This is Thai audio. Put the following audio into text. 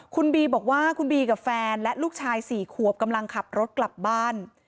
คุณบีบอกว่าคุณบีกับแฟนและลูกชาย๔ขวบกำลังขับรถกลับบ้าน